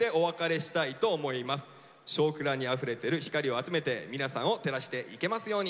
「少クラ」にあふれてる光を集めて皆さんを照らしていけますように。